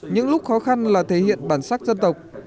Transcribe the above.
những lúc khó khăn là thể hiện bản sắc dân tộc